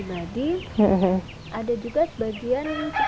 sedangkan biaya pembangunan rumah ini